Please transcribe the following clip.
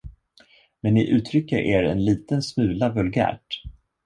Men ni uttrycker er en liten smula vulgärt.